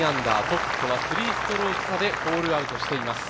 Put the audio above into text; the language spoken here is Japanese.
トップとは３ストローク差でホールアウトしています。